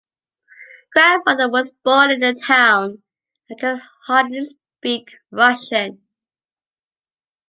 Grandmother was born in the town and could hardly speak Russian.